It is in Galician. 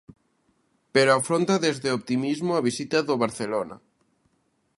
Pero afronta desde o optimismo a visita do Barcelona.